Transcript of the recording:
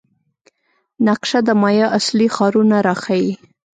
نقشه د مایا اصلي ښارونه راښيي.